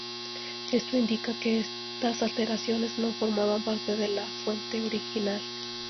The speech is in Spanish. Esto indica que estas alteraciones no formaban parte de la fuente original.